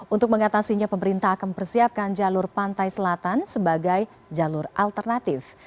untuk mengatasinya pemerintah akan mempersiapkan jalur pantai selatan sebagai jalur alternatif